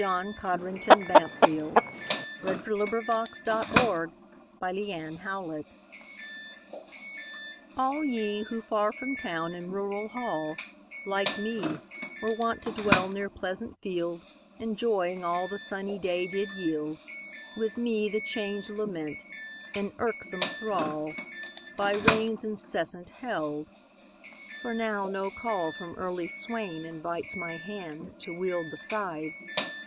K L . M N . O P . Q R . S T . U V . W X . Y Z Sonnet on a Wet Summer ALL ye who far from town in rural hall, Like me, were wont to dwell near pleasant field, Enjoying all the sunny day did yield, With me the change lament, in irksome thrall, By rains incessant held; for now no call From early swain invites my hand to wield The scythe.